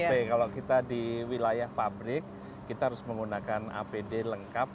tapi kalau kita di wilayah pabrik kita harus menggunakan apd lengkap